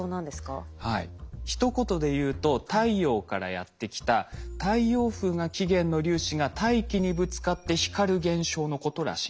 ひと言で言うと太陽からやって来た太陽風が起源の粒子が大気にぶつかって光る現象のことらしいんです。